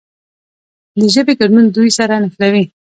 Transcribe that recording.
د ژبې ګډون دوی سره نښلوي.